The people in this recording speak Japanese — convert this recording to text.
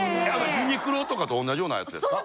ユニクロとかと同じようなやつですか？